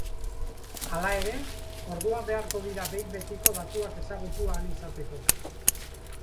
Hala ere, orduan beharko dira behin betiko datuak ezagutu ahal izateko.